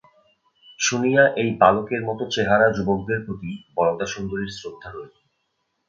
শুনিয়া এই বালকের মতো চেহারা যুবকের প্রতি বরদাসুন্দরীর শ্রদ্ধা হইল।